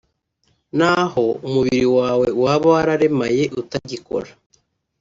n'aho umubiri wawe waba wararemaye utagikora